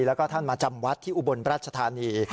แล้วก็ท่านมาจำวัดที่อุบลราชธานี